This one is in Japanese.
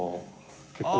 結構。